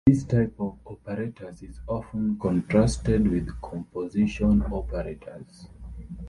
This type of operators is often contrasted with composition operators.